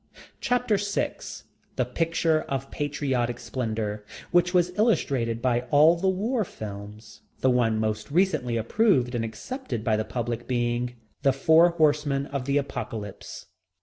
Chapter VI The Picture of Patriotic Splendor, which was illustrated by all the War Films, the one most recently approved and accepted by the public being The Four Horsemen of the Apocalypse.